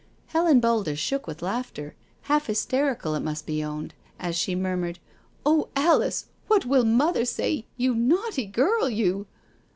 Helen Boulder shook with laughter, half hysterical it must be owned, as she murmured, " Oh, Alice, what will Mother say I you naughty girl, you.